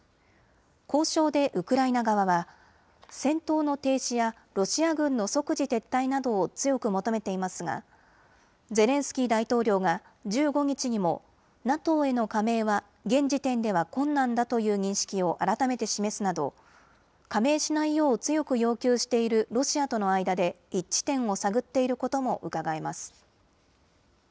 交渉でウクライナ側は戦闘の停止やロシア軍の即時撤退などを強く求めていますがゼレンスキー大統領が１５日にもＮＡＴＯへの加盟は現時点では困難だという認識を改めて示すなど加盟しないよう強く要求しているロシアとの間で一致点を探っていることもうかがえます。